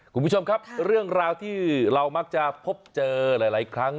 คุณผู้ชมครับเรื่องราวที่เรามักจะพบเจอหลายครั้ง